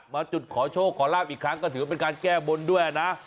จุดขอโชคขอลาบอีกครั้งก็ถือว่าเป็นการแก้บนด้วยนะ